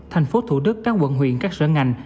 thành phố thủ đức các quận huyện các sở ngành